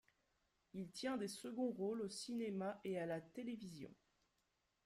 Il tient des seconds rôles au cinéma et à la télévision.